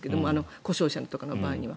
故障車とかの場合には。